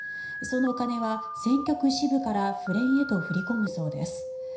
その金は選挙区支部から府連へと振り込むそうです。